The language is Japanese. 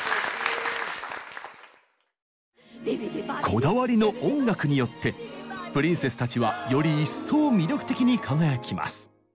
こだわりの音楽によってプリンセスたちはより一層魅力的に輝きます。